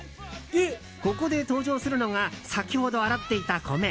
ここで登場するのが先ほど洗っていた米。